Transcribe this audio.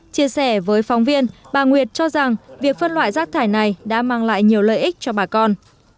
chia sẻ với phóng viên bà nguyệt cho rằng việc phân loại rác thải này đã mang lại nhiều lợi ích cho bà con